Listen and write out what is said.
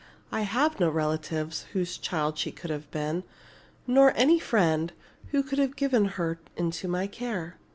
I have no relatives whose child she could have been, nor any friend who could have given her into my care."